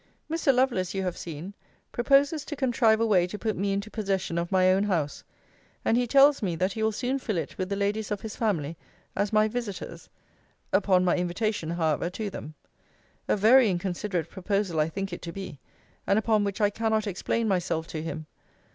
Mr. Lovelace, you have seen, proposes to contrive a way to put me into possession of my own house; and he tells me, that he will soon fill it with the ladies of his family, as my visiters; upon my invitation, however, to them. A very inconsiderate proposal I think it to be, and upon which I cannot explain myself to him.